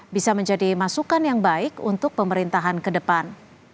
bisa menjadi masukan yang baik untuk pemerintahan ke depan